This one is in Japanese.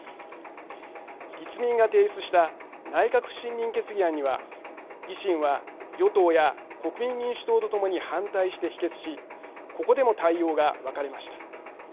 立民が提出した内閣不信任決議案には維新は与党や国民民主党とともに反対して否決しここでも対応が分かれました。